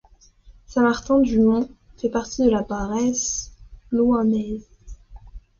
Saint-Martin-du-Mont fait partie de la Bresse louhannaise.